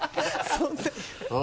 そんな